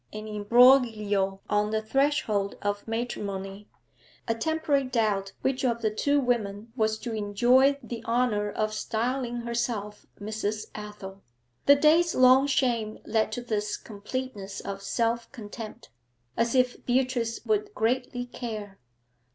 An imbroglio on the threshold of matrimony; a temporary doubt which of two women was to enjoy the honour of styling herself Mrs. Athel. The day's long shame led to this completeness of self contempt. As if Beatrice would greatly care!